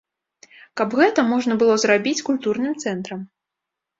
Каб гэта можна было зрабіць культурным цэнтрам.